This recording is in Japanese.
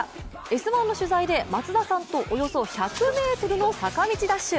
「Ｓ☆１」の取材で松田さんとおよそ１００ｍの坂道ダッシュ。